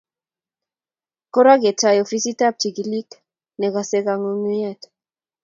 Kora ko ketoi ofisitap chigilik nekosei kangungunyet